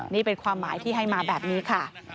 นี่เป็นความหมายที่ให้มาแบบนี้ค่ะ